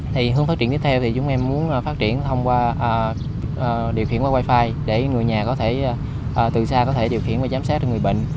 thì hướng phát triển tiếp theo thì chúng em muốn phát triển thông qua điều khiển qua wifi để người nhà có thể từ xa có thể điều khiển và giám sát cho người bệnh